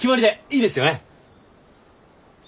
いいですよね？